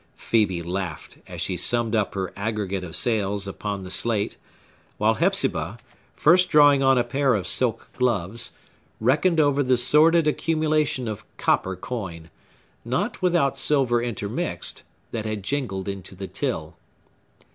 Phœbe laughed, as she summed up her aggregate of sales upon the slate; while Hepzibah, first drawing on a pair of silk gloves, reckoned over the sordid accumulation of copper coin, not without silver intermixed, that had jingled into the till.